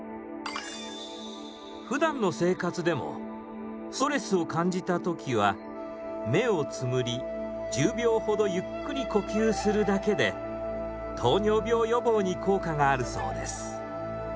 ふだんの生活でもストレスを感じた時は目をつむり１０秒ほどゆっくり呼吸するだけで糖尿病予防に効果があるそうです。